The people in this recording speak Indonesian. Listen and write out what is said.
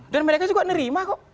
dan mereka juga nerima kok